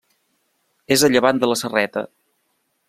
És a llevant de la Serreta.